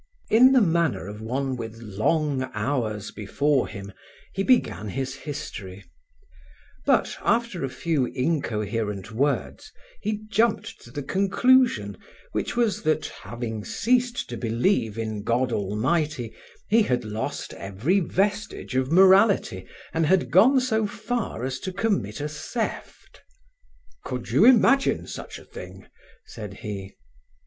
In the manner of one with long hours before him, he began his history; but after a few incoherent words he jumped to the conclusion, which was that "having ceased to believe in God Almighty, he had lost every vestige of morality, and had gone so far as to commit a theft." "Could you imagine such a thing?" said he.